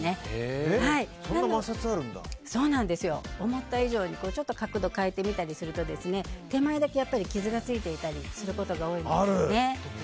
思った以上に角度変えてみたりすると手前だけ傷がついていたりすることが多いんです。